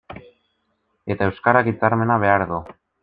Eta euskarak hitzarmena behar du.